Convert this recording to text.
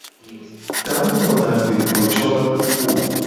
Ta mu nona agbe, klo cona kuku o.